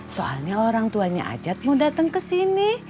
soalnya orang tuanya ajat mau datang ke sini